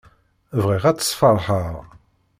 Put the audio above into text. Bɣiɣ ad tt-sfeṛḥeɣ.